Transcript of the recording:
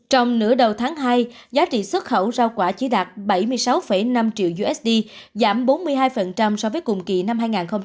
trong nửa đầu tháng hai giá trị xuất khẩu rau quả chỉ đạt bảy mươi sáu năm triệu usd giảm bốn mươi hai so với cùng kỳ năm hai nghìn hai mươi ba